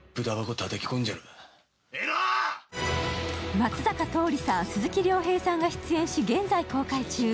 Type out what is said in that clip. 松坂桃李さん、鈴木亮平さんが出演し、現在公開中。